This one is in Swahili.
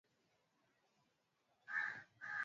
tatizo lililozingatiwa kwa njia ya kipekee Ulaya na